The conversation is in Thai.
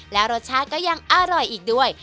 และรสชาติก็ยังอร่อยอีกด้วย